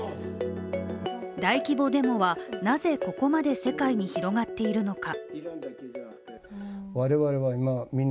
大規模デモは、なぜここまで世界に広がっているのか。